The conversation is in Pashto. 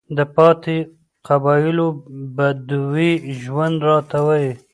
د پاتې قبايلو بدوى ژوند راته وايي،